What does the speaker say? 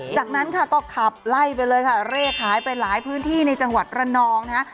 จากนั้นค่ะก็ขับไล่ไปเลยค่ะเร่ขายไปหลายพื้นที่ในจังหวัดระนองนะฮะ